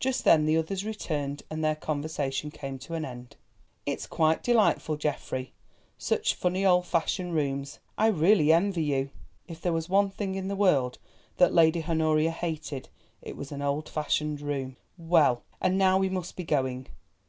Just then the others returned, and their conversation came to an end. "It's quite delightful, Geoffrey—such funny old fashioned rooms. I really envy you." (If there was one thing in the world that Lady Honoria hated, it was an old fashioned room.) "Well, and now we must be going.